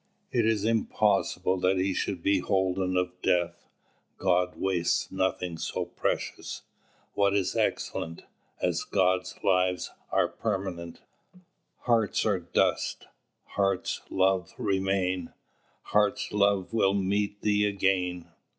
It is impossible that he should be holden of death. God wastes nothing so precious. "What is excellent As God lives is permanent. Hearts are dust; hearts' loves remain. Hearts' love will meet thee again."